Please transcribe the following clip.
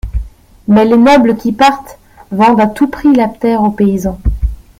Mais les nobles qui partent, vendent à tout prix la terre au paysan.